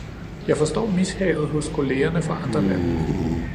Jeg forstår mishaget hos kollegerne fra andre lande.